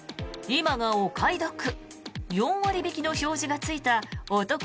今がお買い得４割引きの表示がついたお得